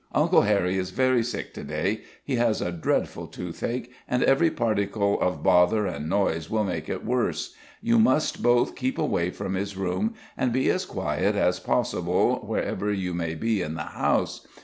Uncle Harry is very sick to day he has a dreadful toothache, and every particle of bother and noise will make it worse. You must both keep away from his room, and be as quiet as possible wherever you may be in the house.